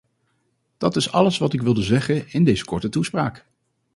Dat is alles wat ik wilde zeggen in deze korte toespraak.